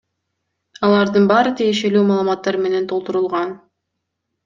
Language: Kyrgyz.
Алардын баары тиешелүү маалыматтар менен толтурулган.